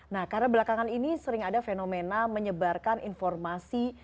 nah karena belakangan ini sering ada fenomena menyebarkan informasi